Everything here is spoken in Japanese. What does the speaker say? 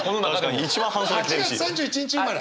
８月３１日生まれ？